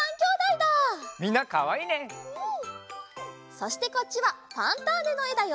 そしてこっちは「ファンターネ！」のえだよ！